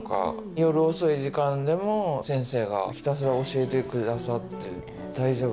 夜遅い時間でも先生がひたすら教えてくださって。